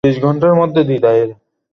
দশম mountain division.